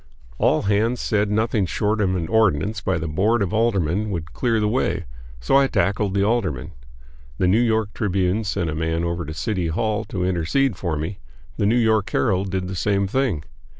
All hands said nothing short of an ordinance by the board of aldermen would clear the way; so I tackled the aldermen. The New York Tribune sent a man over to the City Hall to intercede for me; the New York Herald did the same thing.